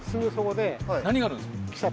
何があるんですか？